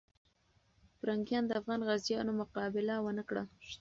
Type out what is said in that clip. پرنګیان د افغان غازیانو مقابله ونه کړه.